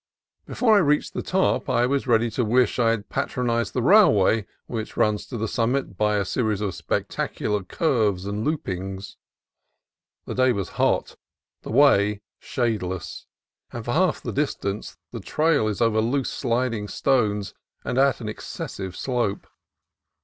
Before I reached the top, I was ready to wish I had patronized the railway which runs to the summit by a series of spectacular curves and loop ings. The day was hot, the way shadeless, and for half the distance the trail is over loose sliding stones and at an excessive slope.